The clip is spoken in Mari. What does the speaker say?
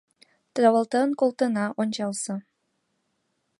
Тавалтен колтена — ончалза!